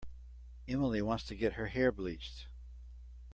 Emily wants to get her hair bleached.